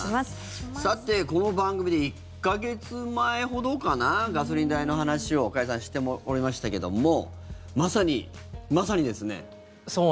さて、この番組で１か月ほど前かなガソリン代の話を加谷さんにしてもらいましたがまさに、まさにですね。